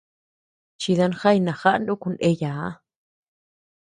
Chidan jañ najaʼa nuku ndeyaa.